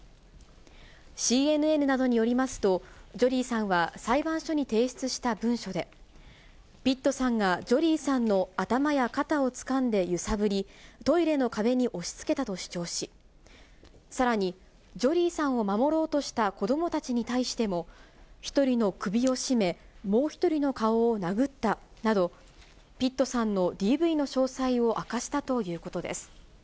ＣＮＮなどによりますと、ジョリーさんは裁判所に提出した文書で、ピットさんがジョリーさんの頭や肩をつかんで揺さぶり、トイレの壁に押しつけたと主張し、さらにジョリーさんを守ろうとした子どもたちに対しても、１人の首を絞め、もう１人の顔を殴ったなど、ピットさんのＤＶの詳細を明かしたということです。